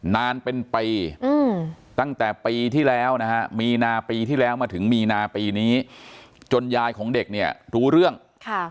นานเป็นปีอืมตั้งแต่ปีที่แล้วนะฮะมีนาปีที่แล้วมาถึงมีนาปีนี้จนยายของเด็กเนี่ยรู้เรื่องค่ะ